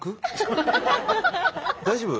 大丈夫？